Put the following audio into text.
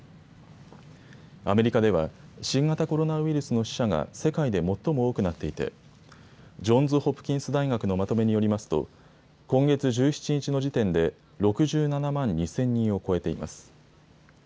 アメリカでは、新型コロナウイルスの死者が世界で最も多くなっていて、ジョンズ・ホプキンス大学のまとめによりますと、今月１７日の時点で６７万２０００人を超えています。